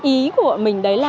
ý của mình đấy là